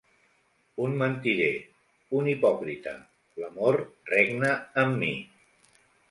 Un mentider, un hipòcrita, l'amor regna en mi.